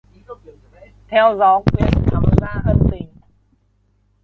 Theo gió thu quyện thắm dạ ân tình